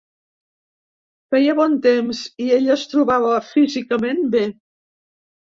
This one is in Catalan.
Feia bon temps i ell es trobava físicament bé.